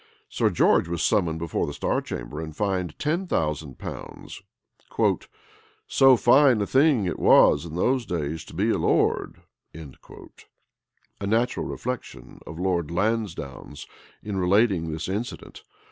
Sir George was summoned before the Star chamber, and fined ten thousand pounds: "So fine a thing was it in those days to be a lord!" a natural reflection of Lord Lansdown's in relating this incident.